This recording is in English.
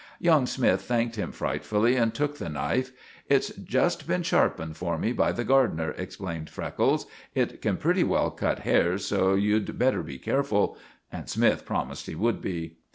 Young Smythe thanked him frightfully, and took the knife. "It's just been sharpened for me by the gardener," explained Freckles. "It can pretty well cut hairs, so you'd better be careful." And Smythe promised he would be.